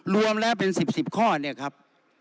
รวมแล้วเป็น๑๐๑๐ข้อเนี่ยครับ